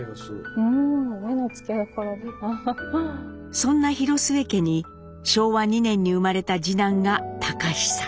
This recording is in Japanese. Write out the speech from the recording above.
そんな広末家に昭和２年に生まれた次男が隆久。